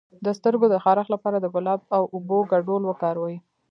د سترګو د خارښ لپاره د ګلاب او اوبو ګډول وکاروئ